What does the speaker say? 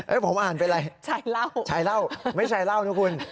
เอ้ยผมอ่านเป็นไรชายเหล้าชายเหล้าไม่ใช่เหล้านะคุณ